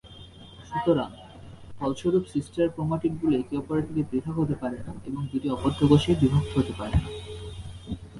সুতরাং, ফলস্বরূপ সিস্টার-ক্রোমাটিডগুলো একে অপরের থেকে পৃথক হতে পারে না এবং দুটি অপত্য কোষে বিভক্ত হতে পারে না।